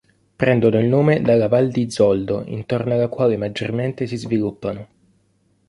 Prendono il nome dalla Val di Zoldo intorno alla quale maggiormente si sviluppano.